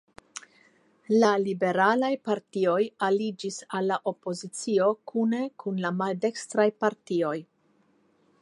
La liberalaj partioj aliĝis al la opozicio kune kun la maldekstraj partioj.